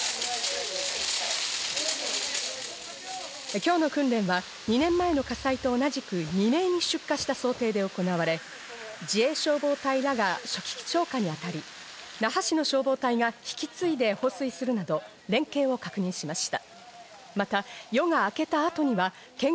今日の訓練は２年前の火災と同じく未明に出火した想定で行われ、自衛消防隊らが初期消火に当たり、那覇市の消防隊が引き継いで放水するなど連携を確認しました。